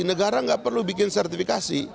negara nggak perlu bikin sertifikasi